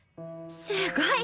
すごい！